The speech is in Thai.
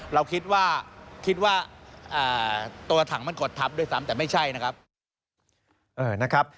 เราคิดว่าคิดว่าตัวถังมันกดทับด้วยซ้ำแต่ไม่ใช่นะครับ